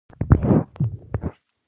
د نقشې لوستل هلته یو ستونزمن کار دی